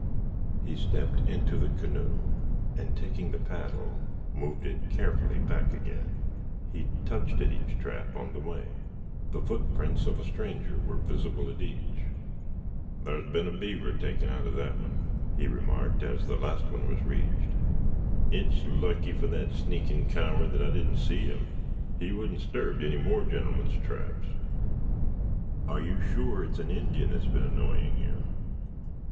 He stepped into the canoe, and taking the paddle moved it carefully back again. He touched at each trap on the way. The footprints of a stranger were visible at each. "Thar's been a beaver taken out of that one!" he remarked, as the last one was reached. "It's lucky for the sneakin' coward that I didn't see him. He wouldn't 'sturbed any more gentlemen's traps." "Are you sure it is an Indian who has been annoying you?"